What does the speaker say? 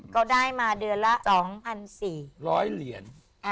ก็ได้มาเดือนละ๒๔๐๐เหรียญ